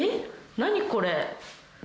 何これ？